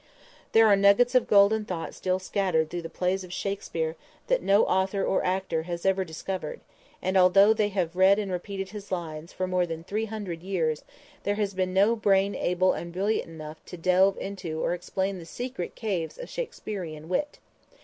There are nuggets of golden thought still scattered through the plays of Shakspere that no author or actor has ever discovered, and although they have read and repeated his lines, for more than three hundred years, there has been no brain able and brilliant enough to delve into or explain the secret caves of Shaksperian wit.